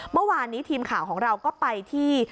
เมื่อวานนี้ทีมข่าวของเราก็ไปที่